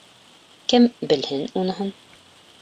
— Кем белһен уныһын.